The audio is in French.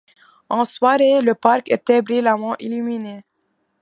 En soirée, le parc était brillamment illuminé.